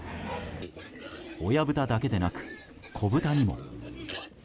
親豚だけでなく、子豚にも。